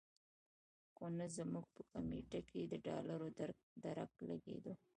خو نه زموږ په کمېټه کې د ډالرو درک لګېدو.